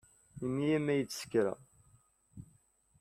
Ini-iyi ma yd skareɣ.